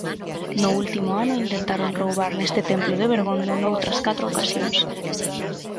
No último ano intentaron roubar neste templo de Bergondo noutras catro ocasións.